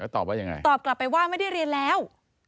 ตอบกลับไปว่าไม่ได้เรียนแล้ว